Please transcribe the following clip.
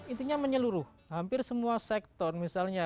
intinya menyeluruh hampir semua sektor misalnya